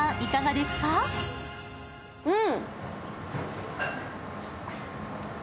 うん！